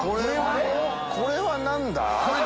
これは何だ？